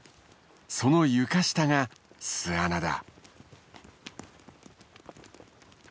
その床下が巣穴だ。